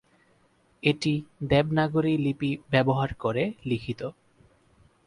এটি দেবনাগরী লিপি ব্যবহার করে লিখিত।